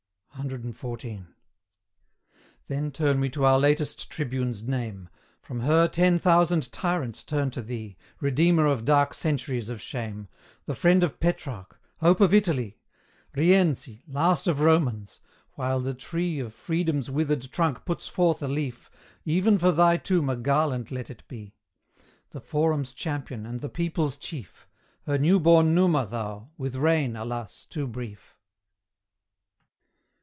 CXIV. Then turn we to our latest tribune's name, From her ten thousand tyrants turn to thee, Redeemer of dark centuries of shame The friend of Petrarch hope of Italy Rienzi! last of Romans! While the tree Of freedom's withered trunk puts forth a leaf, Even for thy tomb a garland let it be The forum's champion, and the people's chief Her new born Numa thou, with reign, alas! too brief.